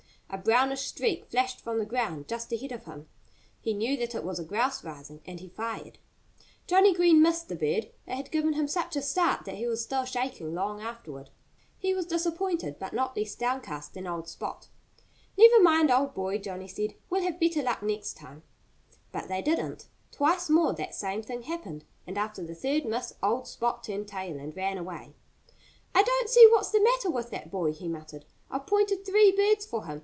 A brownish streak flashed from the ground just ahead of him. He knew that it was a grouse rising. And he fired. Johnnie Green missed the bird. It had given him such a start that he was still shaking long afterward. He was disappointed, but not less downcast than old Spot. "Never mind, old boy!" Johnnie said. "We'll have better luck next time!" But they didn't. Twice more that same thing happened. And after the third miss old Sport turned tail and ran away. "I don't see what's the matter with that boy," he muttered. "I've pointed three birds for him.